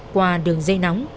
qua đường dây nóng